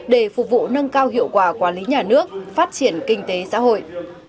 để phục vụ nâng cao hiệu quả quản lý nhà nước phát triển kinh tế xã hội